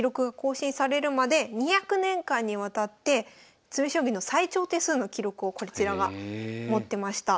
２００年間にわたって詰将棋の最長手数の記録をこちらが持ってました。